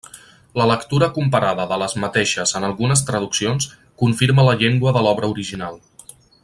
La lectura comparada de les mateixes en algunes traduccions confirma la llengua de l’obra original.